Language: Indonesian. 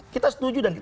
kita setuju dengan itu